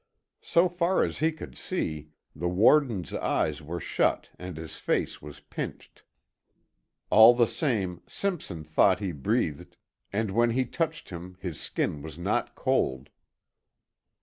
So far as he could see, the warden's eyes were shut and his face was pinched. All the same, Simpson thought he breathed and when he touched him his skin was not cold.